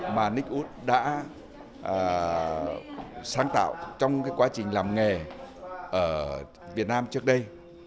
mà nick wood đã sáng tạo trong quá trình làm nghề ở việt nam trước đây